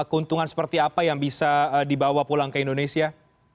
keuntungan seperti apa yang bisa dibawa pulang ke indonesia